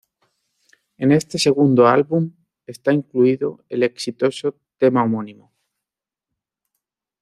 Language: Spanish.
En este segundo álbum, está incluido el exitoso tema homónimo.